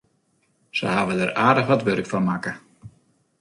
Se hawwe der aardich wat wurk fan makke.